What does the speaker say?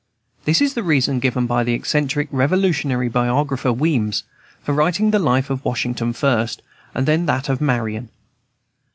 This is the reason given by the eccentric Revolutionary biographer, Weems, for writing the Life of Washington first, and then that of Marion.